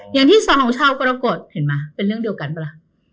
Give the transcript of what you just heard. อย่างที่ราศีชาวกรกฎเป็นเรื่องเดียวกันไหมละ